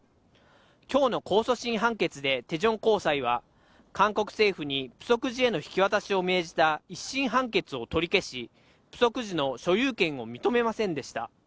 きょうの控訴審判決でテジョン高裁は、韓国政府にプソク寺への引き渡しを命じた１審判決を取り消し、プソク寺の所有権を認めませんでした。